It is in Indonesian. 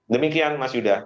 demikian mas yuda